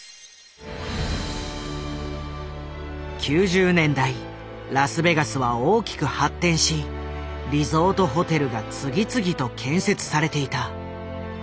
９０年代ラスベガスは大きく発展しリゾートホテルが次々と建設されていた。